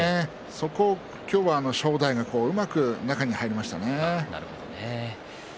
そこを今日は正代がうまく中に入りましたね。